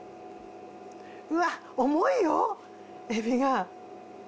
うわ重いよエビが。